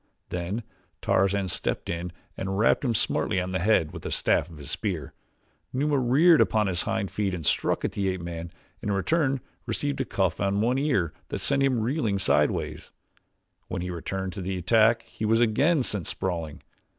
Then Tarzan stepped in and rapped him smartly on the head with the shaft of his spear. Numa reared upon his hind feet and struck at the ape man and in return received a cuff on one ear that sent him reeling sideways. When he returned to the attack he was again sent sprawling.